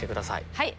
はい。